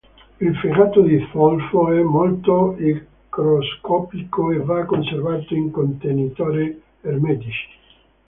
Il fegato di zolfo è molto igroscopico e va conservato in contenitori ermetici.